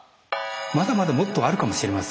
まだまだもっとあるかもしれません。